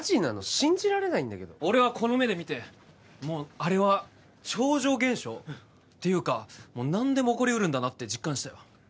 信じられないんだけど俺はこの目で見てもうあれは超常現象ていうかもう何でも起こりうるんだなって実感したよ